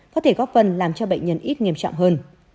có thể góp phần làm cho bệnh nhân ít nghiêm trọng hơn